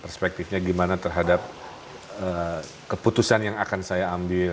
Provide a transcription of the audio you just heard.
perspektifnya gimana terhadap keputusan yang akan saya ambil